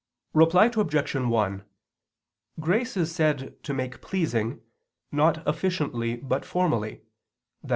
Reply Obj. 1: Grace is said to make pleasing, not efficiently but formally, i.